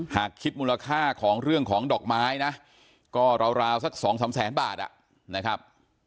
หากคิดมูลค่าของเรื่องของดอกไม้นะก็ราวสัก๒๓แสนบาทนะครับ